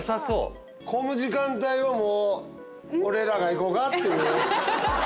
混む時間帯はもう俺らが行こかっていう。